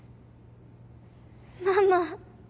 ママ。